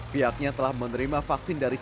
pihaknya telah menerima vaksin dari